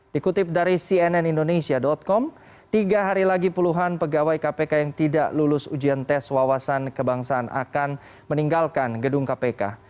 dikutip dari cnn indonesia com tiga hari lagi puluhan pegawai kpk yang tidak lulus ujian tes wawasan kebangsaan akan meninggalkan gedung kpk